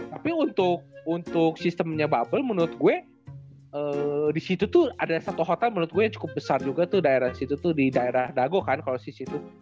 tapi untuk sistemnya bubble menurut gue di situ tuh ada satu hotel menurut gue cukup besar juga tuh daerah situ tuh di daerah dago kan kalau di situ